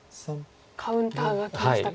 カウンターがきましたか？